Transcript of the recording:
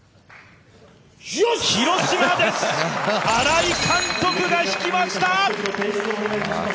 広島です、新井監督が引きました！